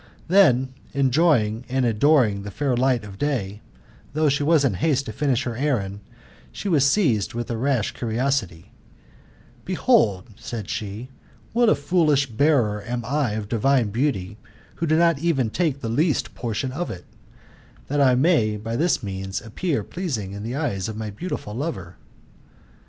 Then again enjoying and adoring the fair light of day, though she was in haste to finish her errand, she was seized with a rash curiosity: " Behold," said she, *• what a foolish bearer am I of divine beauty, who do even not take the least portion of it, that I may by this means appear pleasing in the eyes of my beautiful lover."